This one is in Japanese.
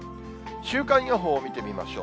週間予報を見てみましょう。